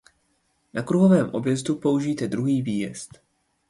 Na kruhovém objezdu použijte druhý výjezd.